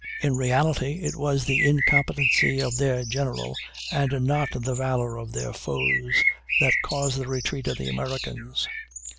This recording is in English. In reality it was the incompetency of their general and not the valor of their foes that caused the retreat of the Americans.